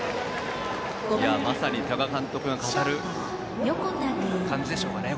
まさに多賀監督が語る感じでしょうかね